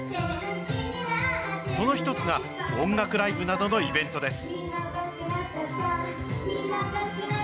その１つが、音楽ライブなどのイベントです。